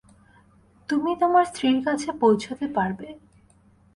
তুমি তোমার স্ত্রীর কাছে পৌঁছতে পারবে।